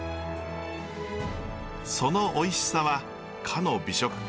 そのおいしさはかの美食家